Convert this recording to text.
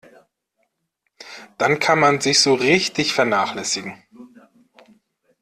Dann kann man sich so richtig vernachlässigen.